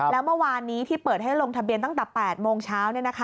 แล้วเมื่อวานนี้ที่เปิดให้ลงทะเบียนตั้งแต่๘โมงเช้า